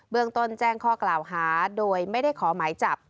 เมืองต้นแจ้งข้อกล่าวหาโดยไม่ได้ขอหมายจับ